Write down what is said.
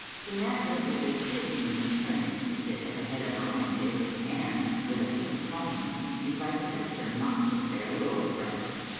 To Nanny it was a dizzying experience to sit at the head of lier own table, and, with assumed calmness, in vite the minister not to spare the loaf bread.